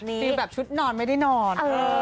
ฟิลแบบชุดนอนไม่ได้นอน